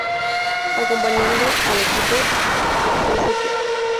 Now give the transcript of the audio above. Acompañando al equipo a St.